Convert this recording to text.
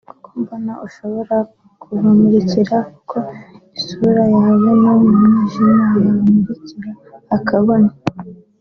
Kuko mbona ushobora kubamurikira kuko isura yawe no mu mwijima yamurika hakabona